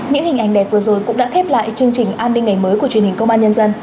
những hình ảnh đẹp vừa rồi cũng đã khép lại chương trình an ninh ngày mới của truyền hình công an nhân dân